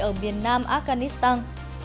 ở miền nam afghanistan